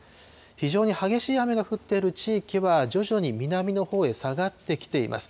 非常に激しい雨が降っている地域は、徐々に南のほうへ下がってきています。